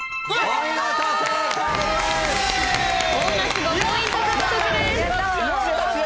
ボーナス５ポイント獲得です。